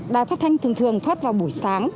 đài phát thanh thường thường phát vào buổi sáng